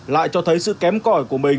lại cho thấy sự kém cõi của mình